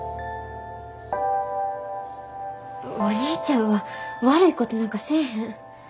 お兄ちゃんは悪いことなんかせえへん。